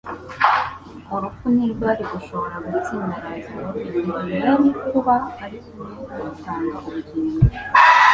Urupfu ntirwari gushobora gutsinda Lazaro igihe yari kuba ari kumwe n'Utanga ubugingo.